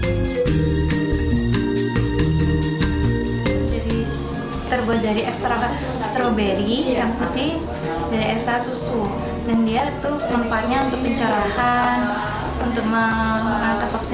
jadi terbuat dari ekstrak stroberi yang putih dan ekstrak susu